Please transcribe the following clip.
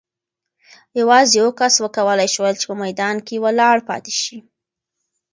یوازې یو کس وکولای شول چې په میدان کې ولاړ پاتې شي.